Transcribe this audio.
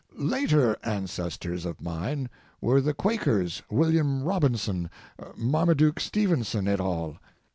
Later ancestors of mine were the Quakers William Robinson, Marmaduke Stevenson, et al.